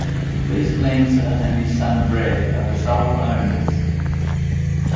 Les Lanser and his son Brad are the sole owners.